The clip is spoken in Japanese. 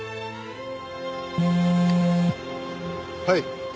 はい。